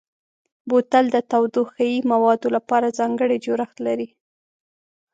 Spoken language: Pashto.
بوتل د تودوخهيي موادو لپاره ځانګړی جوړښت لري.